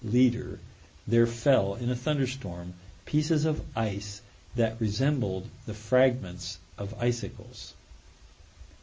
Leader, there fell, in a thunderstorm, pieces of ice that "resembled the fragments of icicles."